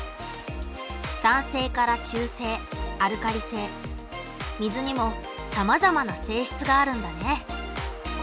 酸性から中性アルカリ性水にもさまざまな性質があるんだね。